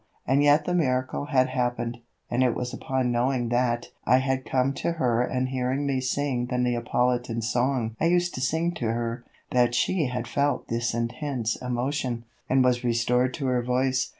And yet the miracle had happened, and it was upon knowing that I had come to her and hearing me sing the Neapolitan song I used to sing to her, that she had felt this intense emotion, and was restored to her voice.